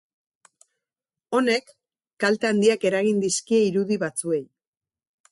Honek, kalte handiak eragin dizkie irudi batzuei.